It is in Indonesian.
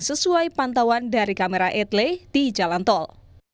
sesuai pantauan dari kamera etele di jalan tol